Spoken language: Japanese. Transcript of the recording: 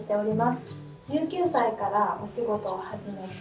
１９歳からお仕事を始めて。